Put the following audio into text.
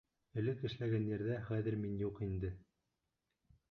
Элек эшләгән ерҙә хәҙер мин юҡ инде.